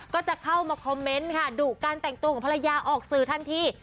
ก็จะเข้ามาคอมเมนต์ค่ะดุการแต่งตัวของภรรยาออกสื่อทันที